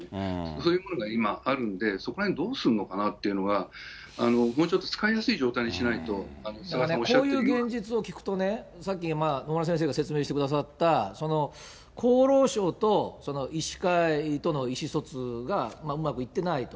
そういうものが今あるんで、そこらへん、どうするのかなっていうのは、もうちょっと使いやすい状態にしないと、こういう現実を聞くとね、さっき野村先生が説明してくださった、厚労省と医師会との意思疎通がうまくいってないと。